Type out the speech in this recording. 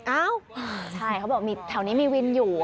อ้าวใช่เขาบอกมีแถวนี้มีวินอยู่